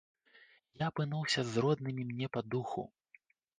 Я апынуўся з роднымі мне па духу.